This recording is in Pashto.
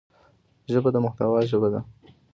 ژبه د محتوا ژبه ده